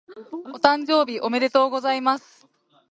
お誕生日おめでとうございます。